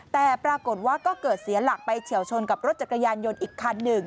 แต่ปรากฏว่าก็เกิดเสียหลักไปเฉียวชนกับรถจักรยานยนต์อีกคันหนึ่ง